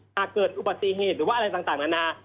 หากเกิดอุบัติเหตุหรือว่าอะไรต่างนานา